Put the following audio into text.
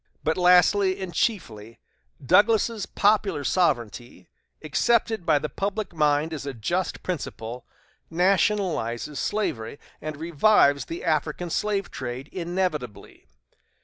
But lastly, and chiefly, Douglas's popular sovereignty, accepted by the public mind as a just principle, nationalizes slavery, and revives the African slave trade inevitably.